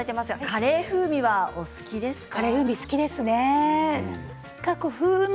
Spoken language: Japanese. カレー風味はお好きですか。